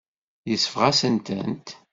Yesbeɣ-asen-tent.